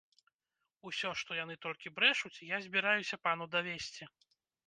Усё, што толькі яны брэшуць, я збіраюся пану давесці!